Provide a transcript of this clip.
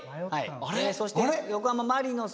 そして横浜マリノス。